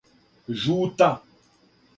Жута